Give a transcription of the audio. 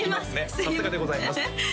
さすがでございます